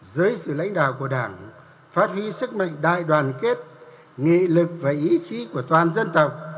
dưới sự lãnh đạo của đảng phát huy sức mạnh đại đoàn kết nghị lực và ý chí của toàn dân tộc